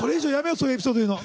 そういうエピソード言うの。